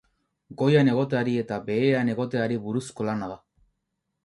Goian egoteari eta behean egoteari buruzko lana da.